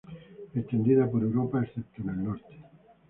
Extendida por Europa, excepto en el norte.